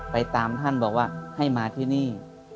ไปตามท่านบอกว่าให้มาที่นี่